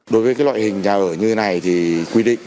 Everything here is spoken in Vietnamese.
đối với loại hình nhà ở như thế này thì quy định